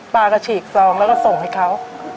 ปลากระฉีกซองแล้วก็ส่งให้เขา